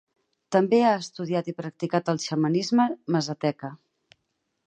També ha estudiat i practicat el xamanisme mazateca.